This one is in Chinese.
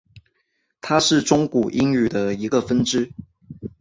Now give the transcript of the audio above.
它是中古英语的一个分支。